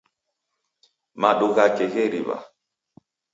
Madu ghake gheriw'a